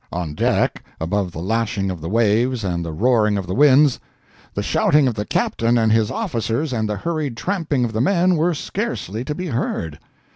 On deck, above the lashing of the waves, and the roaring of the winds, the shouting of the captain and his officers, and the hurried tramping of the men were scarcely to be heard.